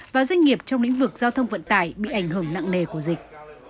và doanh nghiệp trong lĩnh vực giao thông vận tải bị ảnh hưởng nặng nề của dịch